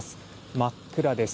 真っ暗です。